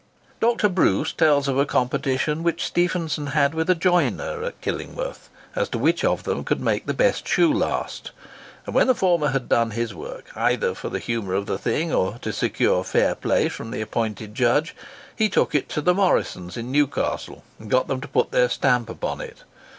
Dr. Bruce tells of a competition which Stephenson had with the joiner at Killingworth, as to which of them could make the best shoe last; and when the former had done his work, either for the humour of the thing, or to secure fair play from the appointed judge, he took it to the Morrisons in Newcastle, and got them to put their stamp upon it.